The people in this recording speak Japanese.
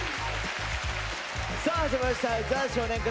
さあ始まりました「ザ少年倶楽部」。